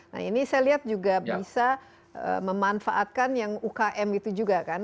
nah ini saya lihat juga bisa memanfaatkan yang ukm itu juga kan